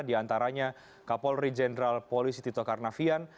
diantaranya kapolri jenderal polisi tito karnavian